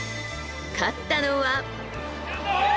勝ったのは。